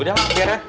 udah mak biar ya